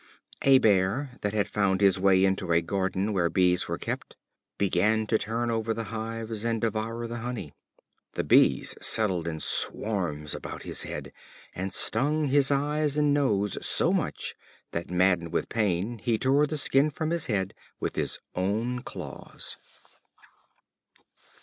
A Bear that had found his way into a garden where Bees were kept began to turn over the hives and devour the honey. The Bees settled in swarms about his head, and stung his eyes and nose so much, that, maddened with pain, he tore the skin from his head with his own claws.